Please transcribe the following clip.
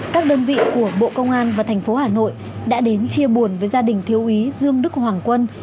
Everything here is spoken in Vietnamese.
các đơn vị của bộ công an và thành phố hà nội đã đến chia buồn với gia đình thiếu úy dương đức hoàng quân